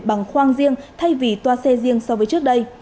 bằng khoang riêng thay vì toa xe riêng so với trước đây